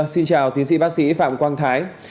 xin chào tiến sĩ bác sĩ phạm quang thái